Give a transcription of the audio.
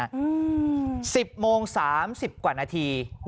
อารมณ์ไม่ดีเพราะว่าอะไรฮะ